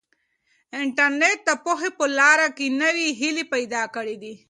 انټرنیټ د پوهې په لاره کې نوې هیلې پیدا کړي دي.